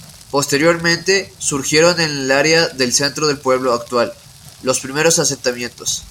Posteriormente, surgieron en el área del centro del pueblo actual, los primeros asentamientos.